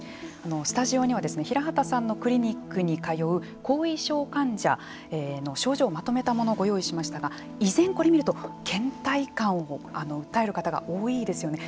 スタジオには平畑さんのクリニックに通う後遺症患者の症状をまとめたものご用意しましたが以前、これを見るとけん怠感を訴える方が多いですよね。